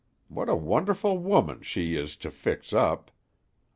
What a wonderful woman she is to fix up!